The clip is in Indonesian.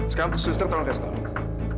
sekarang suster tolong kasih tahu